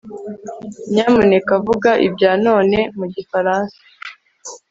nyamuneka vuga ibyo na none mu gifaransa